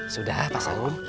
sudah pak saung